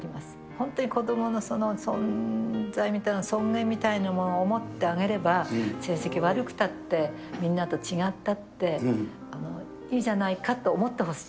本当に子どもの存在みたいなの、尊厳みたいなものを思ってあげれば、成績悪くたって、みんなと違ったって、いいじゃないかと思ってほしい。